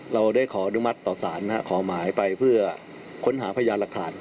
เราได้ขออนุมัติต่อสารขอหมายไปเพื่อค้นหาพยานหลักฐาน